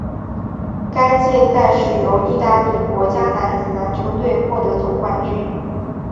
该届赛事由义大利国家男子篮球队获得总冠军。